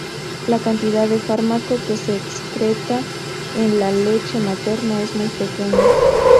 La cantidad de fármaco que se excreta en la leche materna es muy pequeña.